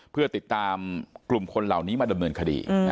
เพื่อติดตามกลุ่มคนเหล่านี้มาดำเนินคดี